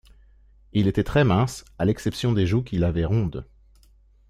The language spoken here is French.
Il était très mince, à l’exception des joues qu’il avait rondes